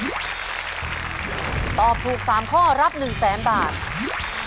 ตอบถูก๓ข้อรับ๑๐๐๐๐๐บาท